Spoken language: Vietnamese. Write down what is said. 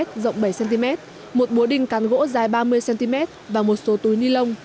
rộng bảy cm một búa đinh cắn gỗ dài ba mươi cm và một số túi ni lông